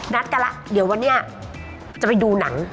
นัดกันแล้วเดี๋ยววันนี้จะไปดูหนัง